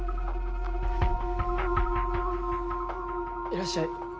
いらっしゃい。